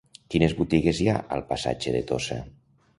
Quines botigues hi ha al passatge de Tossa?